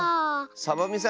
サボみさん